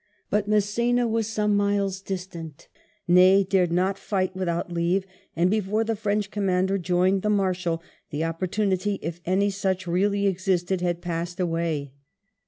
But Mass^na was some miles distant^ Ney dared not fight without leave; and before the French commander joined the Marshal the opportunity, if any such really existed, had passed away.